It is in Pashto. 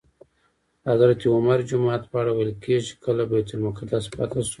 د حضرت عمر جومات په اړه ویل کېږي چې کله بیت المقدس فتح شو.